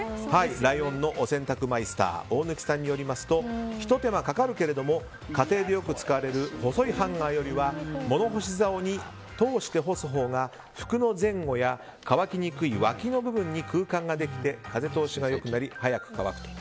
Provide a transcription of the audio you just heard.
ライオンのお洗濯マイスター大貫さんによりますとひと手間かかるけれども家庭でよく使われる細いハンガーよりは物干しざおに通して干すほうが服の前後や乾きにくいわきの部分に空間ができて風通しがよくなり早く乾くと。